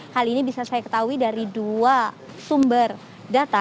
hal ini bisa saya ketahui dari dua sumber data